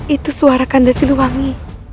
itu suara kandas siliwangi